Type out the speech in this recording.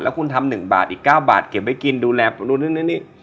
แล้วคุณทำหนึ่งบาทอีกเก้าบาทเก็บไว้กินดูแลดูนึงนึงนี่